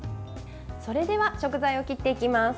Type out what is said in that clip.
それでは食材を切っていきます。